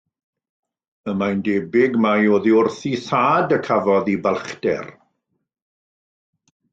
Y mae'n debyg mai oddi wrth ei thad y cafodd ei balchder.